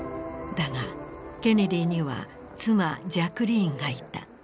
だがケネディには妻ジャクリーンがいた。